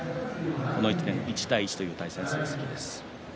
この１年、１対１という対戦成績です。